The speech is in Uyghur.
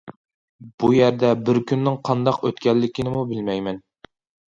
بۇ يەردە بىر كۈننىڭ قانداق ئۆتكەنلىكىنىمۇ بىلمەيمەن.